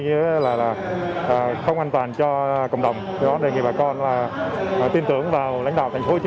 sự không an toàn cho cộng đồng do đó đề nghị bà con tin tưởng vào lãnh đạo thành phố hồ chí